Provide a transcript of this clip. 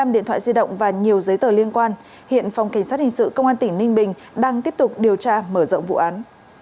một mươi điện thoại di động và nhiều giấy tờ liên quan hiện phòng cảnh sát hình sự công an tỉnh ninh bình đang tiếp tục điều tra mở rộng vụ án